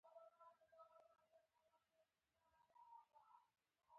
محور یې پر خپله ټاکنه واک لرل دي.